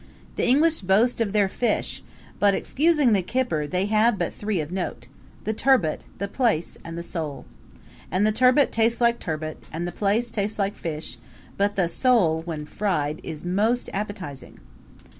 The English boast of their fish; but, excusing the kipper, they have but three of note the turbot, the plaice and the sole. And the turbot tastes like turbot, and the plaice tastes like fish; but the sole, when fried, is most appetizing.